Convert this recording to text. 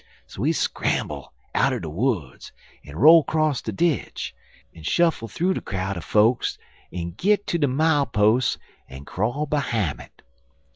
So he scramble outen de woods, en roll 'cross de ditch, en shuffle thoo de crowd er folks en git ter de mile pos' en crawl behime it.